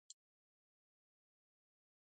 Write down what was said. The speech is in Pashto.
د افغانستان طبیعت له خپلو بزګانو څخه جوړ شوی دی.